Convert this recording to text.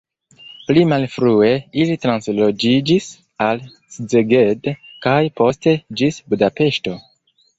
Pli malfrue ili transloĝiĝis al Szeged kaj poste ĝis Budapeŝto.